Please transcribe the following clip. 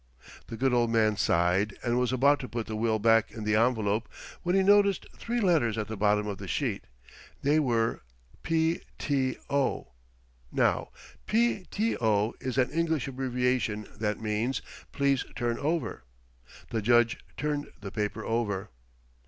The good old man sighed and was about to put the will back in the envelope when he noticed three letters at the bottom of the sheet. They were "P.T.O." Now "P.T.O." is an English abbreviation that means "Please Turn Over." The Judge turned the paper over.